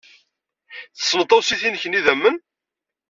Tessneḍ tawsit-nnek n yidammen?